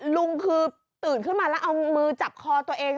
ลุงคือตื่นขึ้นมาแล้วเอามือจับคอตัวเอง